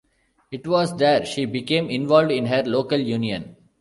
It was there she became involved in her local union.